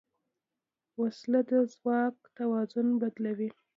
وسله د ځواک توازن بدلوي